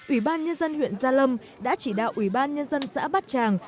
ủy ban nhân dân huyện gia lâm đã chỉ đạo ủy ban nhân dân xã bát tràng